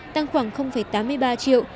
tăng khoảng tám mươi ba triệu